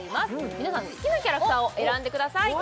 皆さん好きなキャラクターを選んでください